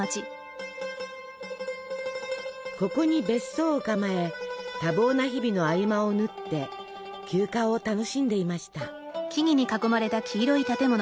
ここに別荘を構え多忙な日々の合間を縫って休暇を楽しんでいました。